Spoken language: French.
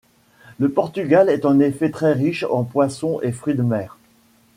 Le Portugal est en effet très riche en poissons et fruits de mer.